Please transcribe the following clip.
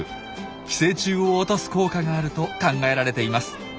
寄生虫を落とす効果があると考えられています。